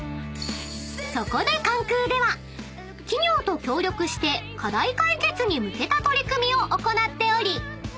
［そこで関空では企業と協力して課題解決に向けた取り組みを行っておりそれが］